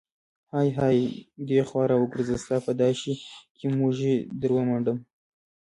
های های دې خوا راوګرزه، ستا په دا شي کې موږی در ومنډم.